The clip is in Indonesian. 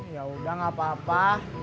yaudah gak apa apa